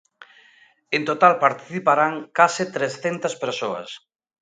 En total, participarán case trescentas persoas.